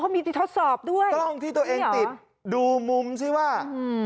มีที่ทดสอบด้วยกล้องที่ตัวเองติดดูมุมสิว่าอืม